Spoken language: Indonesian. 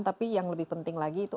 tapi yang lebih penting lagi itu